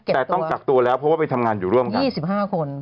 แต่ต้องกักตัวแล้วเพราะว่าไปทำงานอยู่ร่วมกัน๒๕คน